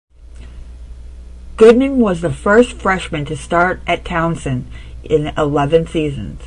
Goodman was the first freshman to start at Towson in eleven seasons.